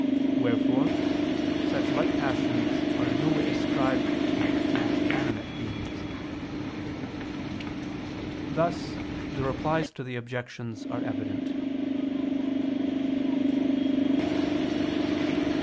Wherefore such like passions are in no way ascribed to inanimate beings. Thus the Replies to the Objections are evident.